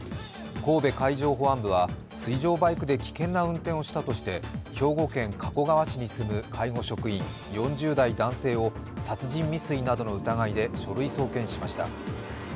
神戸海上保安部は水上バイクで危険な運転をしたとして兵庫県加古川市に住む介護職員、４０代男性を殺人未遂などの疑いで書類送検しました。